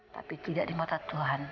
tapi tidak di mata tuhan